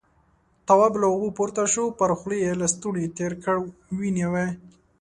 تواب له اوبو پورته شو، پر خوله يې لستوڼی تېر کړ، وينې وه.